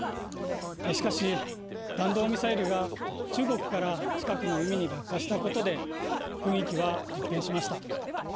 しかし、弾道ミサイルが中国から近くの海に落下したことで、雰囲気は一変しました。